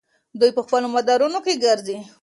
دوی په خپلو مدارونو کې ګرځي.